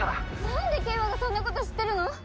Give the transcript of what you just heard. なんで景和がそんなこと知ってるの？